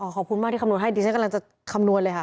ขอบคุณมากที่คำนวณให้ดิฉันกำลังจะคำนวณเลยค่ะ